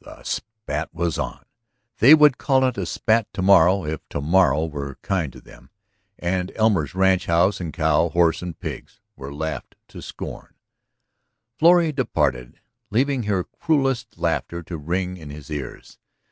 The spat was on ... they would call it a spat to morrow if to morrow were kind to them ... and Elmer's ranch and house and cow, horse and pigs were laughed to scorn. Florrie departed leaving her cruellest laughter to ring in his ears.